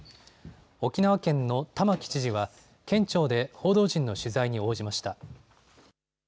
沖縄県の玉城知事は県庁で報道陣の取材に応じました。